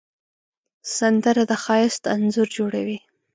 سندره د ښایست انځور جوړوي